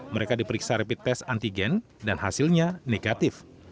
mereka diperiksa rapid test antigen dan hasilnya negatif